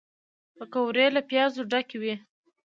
پکورې له پیازو ډکې وي